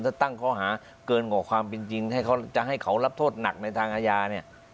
ถ้าตั้งข้อหาเกินกว่าความเป็นจริงให้เขาจะให้เขารับโทษหนักในทางอาญาเนี่ย